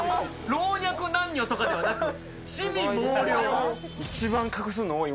老若男女とかではなく。